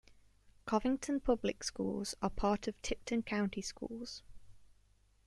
Covington Public Schools are part of Tipton County Schools.